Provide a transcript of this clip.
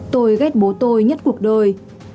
tôi ghét bố tôi nhất cuộc đời